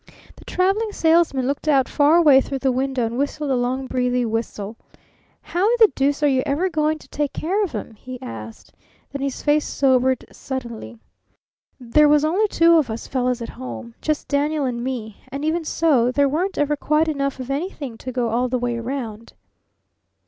The Traveling Salesman looked out far away through the window and whistled a long, breathy whistle. "How in the deuce are you ever going to take care of 'em?" he asked. Then his face sobered suddenly. "There was only two of us fellows at home just Daniel and me and even so there weren't ever quite enough of anything to go all the way round."